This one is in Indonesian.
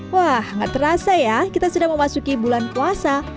wah gak terasa ya kita sudah memasuki bulan puasa